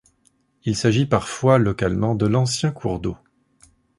Il s'agit parfois localement de l'ancien cours d'eau.